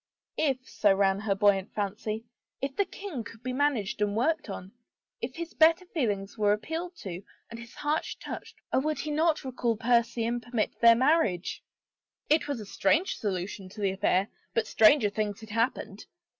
If — so ran her buoyant fancy — if the king could be managed and worked on, if his better feelings were ap pealed to and his heart touched would he not — Oh, 68 HOPE RENEWED would he not, recall Percy and permit their marriage? It was a strange solution to the affair but stranger things had happened.